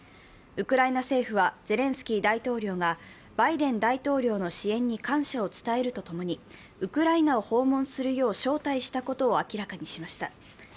ウクライナ政府はゼレンスキー大統領がバイデン大統領の支援に感謝を伝えると共に、ウクライナを訪問するよう招待したことを明らかにしました。